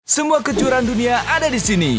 semua kejuaraan dunia ada di sini